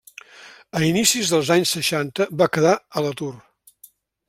A inicis dels anys seixanta va quedar a l'atur.